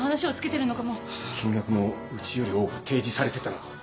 金額もうちより多く提示されてたら。